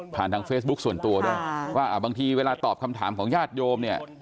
ทางเฟซบุ๊คส่วนตัวด้วยว่าบางทีเวลาตอบคำถามของญาติโยมเนี่ย